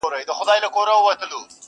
در بخښلی په ازل کي یې قدرت دئ!